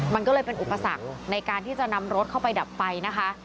มันก็เลยเป็นอุปสรรคในการที่จะนำรถเข้าไปดับไฟนะคะ